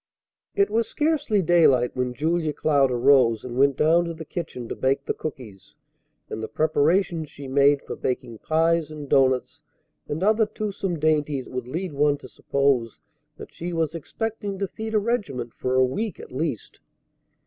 It was scarcely daylight when Julia Cloud arose and went down to the kitchen to bake the cookies; and the preparations she made for baking pies and doughnuts and other toothsome dainties would lead one to suppose that she was expecting to feed a regiment for a week at least.